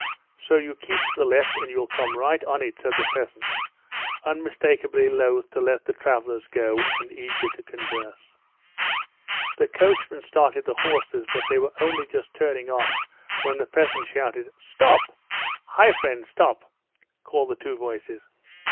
"So you keep to the left, and you'll come right on it," said the peasant, unmistakably loth to let the travelers go, and eager to converse. The coachman started the horses, but they were only just turning off when the peasant shouted: "Stop! Hi, friend! Stop!" called the two voices.